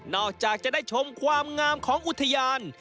จากจะได้ชมความงามของอุทยาน